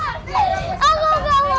aku gak mau balik